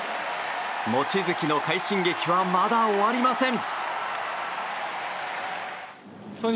望月の快進撃はまだ終わりません！